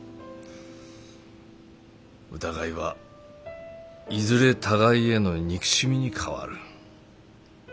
疑いはいずれ互いへの憎しみに変わる。